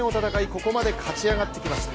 ここまで勝ち上がってきました。